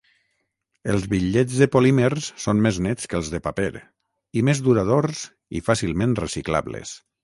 Els bitllets de polímers són més nets que els de paper i més duradors i fàcilment reciclables.